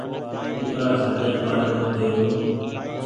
ڪُترآ کآجآئي ٻآري مت جو تونٚ